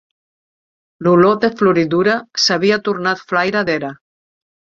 L’olor de floridura s'havia tornat flaira d'era